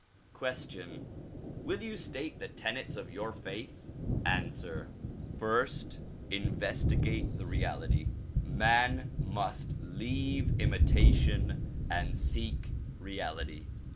Question : Will you state the tenets of your faith ? Answer: First; investigate the reality. Man must leave imi tation and seek reality.